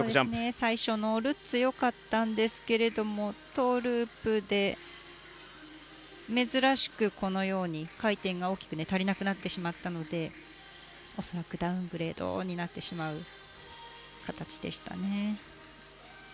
最初のルッツよかったんですけれどもトウループで珍しく、このように回転が大きく足りなくなってしまったので恐らくダウングレードになってしまう形でしたね。